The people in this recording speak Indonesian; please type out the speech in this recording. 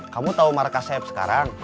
kamu tahu markas saya sekarang